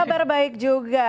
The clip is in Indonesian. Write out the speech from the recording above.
kabar baik juga